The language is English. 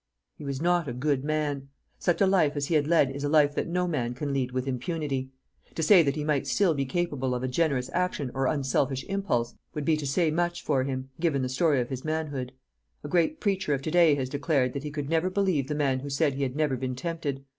He was not a good man. Such a life as he had led is a life that no man can lead with impunity. To say that he might still be capable of a generous action or unselfish impulse, would be to say much for him, given the story of his manhood. A great preacher of to day has declared, that he could never believe the man who said he had never been tempted.